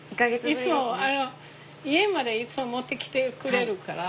いつも家までいつも持ってきてくれるから。